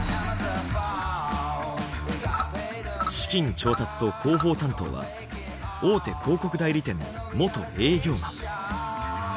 資金調達と広報担当は大手広告代理店の元営業マン。